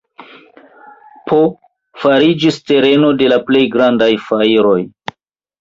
P. fariĝis tereno de la plej grandaj fajroj.